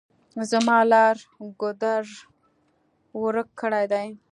زما لار ګودر ورک کړي دي.